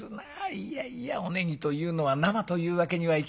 いやいやおネギというのは生というわけにはいきません。